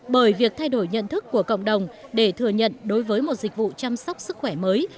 bởi việc thay đổi nhận thức của cộng đồng để thừa nhận đối với một dịch vụ chăm sóc sức khỏe mới